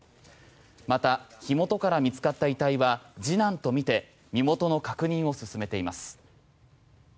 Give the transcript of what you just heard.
また、火元から見つかった遺体は次男とみて身元の確認を進めています。